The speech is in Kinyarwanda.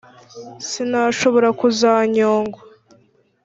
sinashobora kuzanyongwa